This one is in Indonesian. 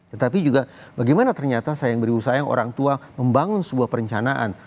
tetapi juga bagaimana ternyata sayang beriu sayang orang tua membangun sebuah perencanaan